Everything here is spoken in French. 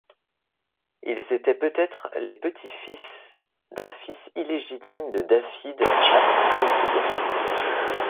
Ils étaient peut-être les petits-fils d'un fils illégitime de Dafydd ap Gruffydd.